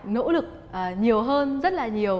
nỗ lực nhiều hơn rất là nhiều